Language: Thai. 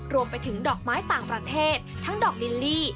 รวมไปถึงดอกไม้ต่างประเทศทั้งดอกลิลลี่